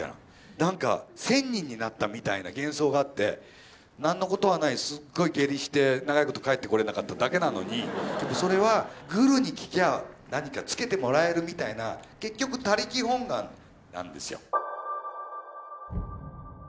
なんか仙人になったみたいな幻想があって何のことはないすっごい下痢して長いこと帰ってこれなかっただけなのにやっぱそれはグルに聞きゃあ何かつけてもらえるみたいな結局他力本願なんですよ。